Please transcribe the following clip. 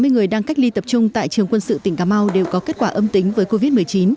chín mươi người đang cách ly tập trung tại trường quân sự tỉnh cà mau đều có kết quả âm tính với covid một mươi chín